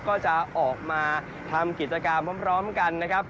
ก็จะออกมาทำกิจกรรมพร้อมกันนะครับ